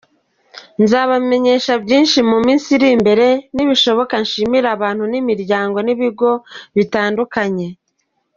Nzabamenyesha byinshi mu minsi iri imbere, nibishoboka nshimire abantu n’imiryango n’ibigo bitandukanye.